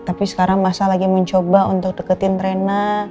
tapi sekarang masal lagi mencoba untuk deketin reyna